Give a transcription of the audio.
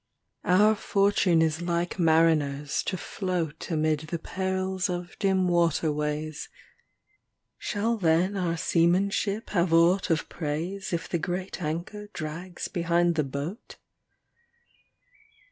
XXVII Our fortune is like mariners to float Amid the perils of dim waterways ; Shall then our seamanship have aught of praise If the great anchor drags behind the boat